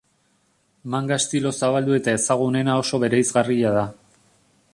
Manga estilo zabaldu eta ezagunena oso bereizgarria da.